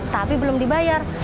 tapi belum dibayar